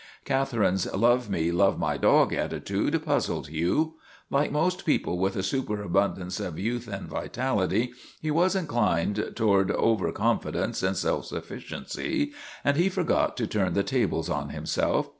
Catherine's love me love my dog attitude puzzled Hugh. Like most people with a superabundance of youth and vitality he was inclined toward over con fidence and self sufficiency and he forgot to turn the tables on himself.